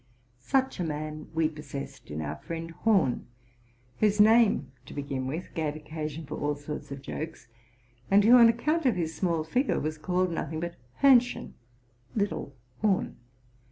Such a man we possessed in our frie nd Horn, whose name, to begin with, gave occasion for all sorts of jokes, and who, on account of his small figure, was called nothing but Horn chen (little Horn).